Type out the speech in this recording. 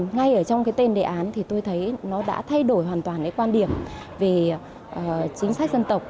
ngay ở trong tên đề án tôi thấy nó đã thay đổi hoàn toàn quan điểm về chính sách dân tộc